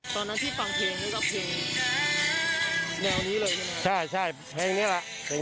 ตอนนั้นที่ฟังเพลงนี่ก็เพลง